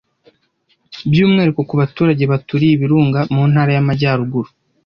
By’umwihariko ku baturage baturiye ibirunga mu Ntara y’Amajyaruguru